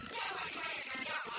jawa dimana dengan jawa